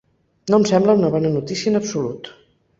No em sembla una bona notícia en absolut.